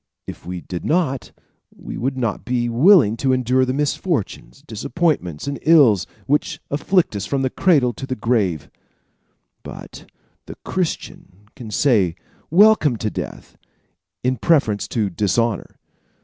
If we did not, we would not be willing to endure the misfortunes, disappointments and ills which afflict us from the cradle to the grave; but the Christian can say welcome to death in preference to dishonor.